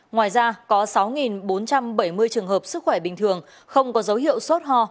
ngoài ra có sáu bốn trăm bảy mươi trường hợp sức khỏe bình thường không có dấu hiệu sốt ho